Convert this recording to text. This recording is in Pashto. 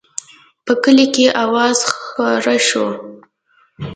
په کلي کې اوازه خپره شوه.